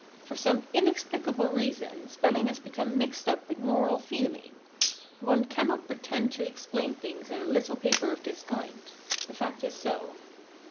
For some inexplicable reason spelling has become mixed up with moral feeling. One cannot pretend to explain things in a little paper of this kind; the fact is so.